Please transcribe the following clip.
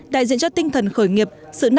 đại diện cho tinh thần khởi nghiệp sự năng lực